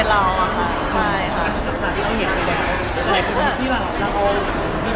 ขอแจกับสัญลักษณ์ที่เค้าเห็นไปแล้ว